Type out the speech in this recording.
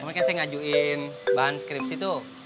kemarin kan saya ngajuin bahan skripsi tuh